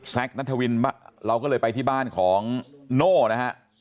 นัทวินเราก็เลยไปที่บ้านของโน่นะฮะ